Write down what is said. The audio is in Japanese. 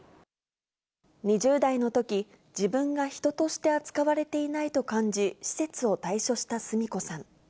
２０代のとき、自分が人として扱われていないと感じ、施設を退所したスミ子さん。